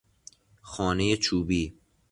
خانهی چوبی